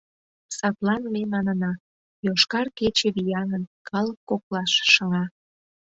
Садлан ме манына: «Йошкар кече» вияҥын, калык коклаш шыҥа».